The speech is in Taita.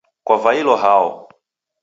Kwavailo hao?